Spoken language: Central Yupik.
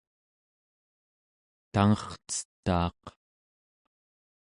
tangercetaaq